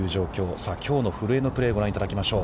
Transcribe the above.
さあきょうの古江のプレーをご覧いただきましょう。